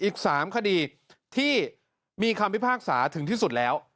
อีก๓คดีที่มีคำพิพากษาถึงที่สุดแล้ว